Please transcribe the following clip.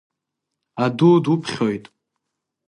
Аду дуԥхьоит!